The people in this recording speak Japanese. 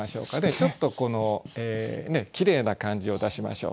ちょっときれいな感じを出しましょう。